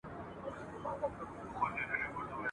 د شیدو پر ویاله ناسته سپینه حوره !.